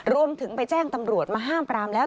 รวมถึงไปแจ้งตำรวจมาห้ามปรามแล้ว